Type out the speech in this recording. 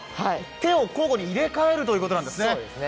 手を交互に入れ替えるということなんですね。